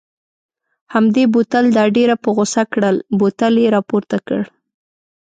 همدې بوتل دا ډېره په غوسه کړل، بوتل یې را پورته کړ.